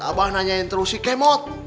abah nanyain terus si kemod